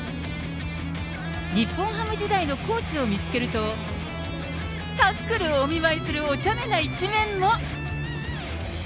日本ハム時代のコーチを見つけると、タックルをお見舞いするおちゃめな一面も。